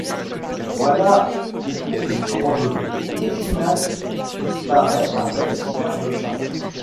Voilà qu’au cours d’une randonnée, Réginald disparaît avec son garde-chasse.